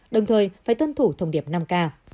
đồng thời phải tuân thủ thông điệp năm k